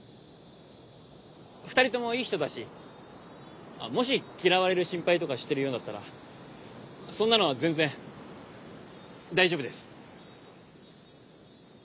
２人ともいい人だしもし嫌われる心配とかしてるようだったらそんなのは全然大丈夫です。